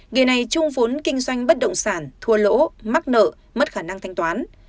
nghề này trung phốn kinh doanh bất động sản thua lỗ mắc nợ mất khả năng thanh toán